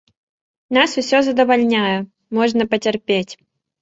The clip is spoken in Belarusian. Нас усё задавальняе, можна пацярпець.